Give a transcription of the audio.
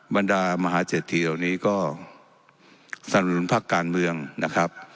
บรรดามหาเจษฐีตอนนี้ก็สนุนภักดิ์การเมืองนะครับ